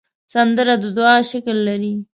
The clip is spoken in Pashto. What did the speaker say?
سندره د دعا شکل لري